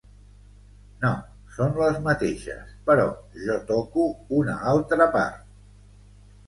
No, són les mateixes, però jo toco una altra part.